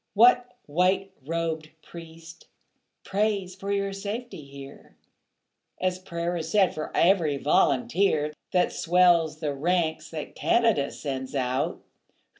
What white robed priest prays for your safety here, As prayer is said for every volunteer That swells the ranks that Canada sends out?